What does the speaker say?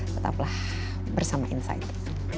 tetaplah bersama insight